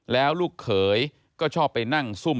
แล้วลูกเขยก็ชอบไปนั่งซุ่ม